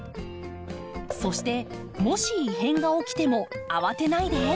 そしてもし異変が起きても慌てないで！